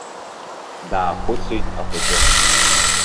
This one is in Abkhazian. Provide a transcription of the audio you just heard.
Даахәыцит ахәыҷы.